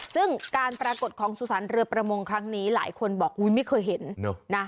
ซึ่งการปรากฏของสุสานเรือประมงครั้งนี้หลายคนบอกอุ๊ยไม่เคยเห็นนะ